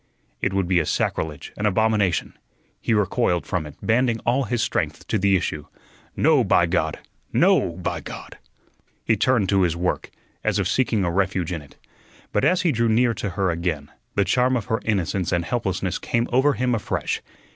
It would be a sacrilege, an abomination. He recoiled from it, banding all his strength to the issue. "No, by God! No, by God!" He turned to his work, as if seeking a refuge in it. But as he drew near to her again, the charm of her innocence and helplessness came over him afresh.